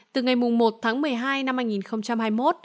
từ ngày một tháng một mươi hai năm hai nghìn hai mươi một